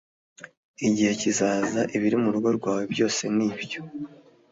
Igihe kizaza ibiri mu rugo rwawe byose n ibyo